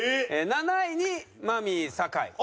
７位にマミィ酒井。